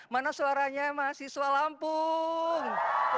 mana suaranya mahasiswa lampung